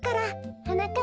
はなかっ